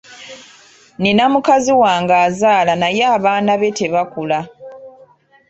Nnina mukazi wange azaala naye abaana be tebakula.